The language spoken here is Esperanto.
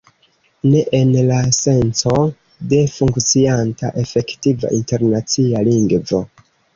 Ne en la senco de funkcianta, efektiva internacia lingvo.